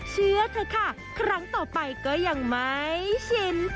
เชื่อเถอะค่ะครั้งต่อไปก็ยังไม่ชิน